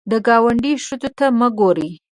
د ګاونډي ښځو ته مه ګورې